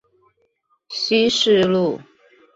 西勢路